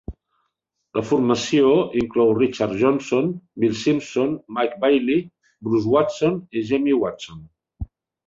La formació inclou Richard Jobson, Bill Simpson, Mike Baillie, Bruce Watson i Jamie Watson.